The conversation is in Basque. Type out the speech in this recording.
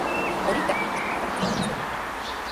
Hori garbi ikusten da erabiltzen duen hiztegian.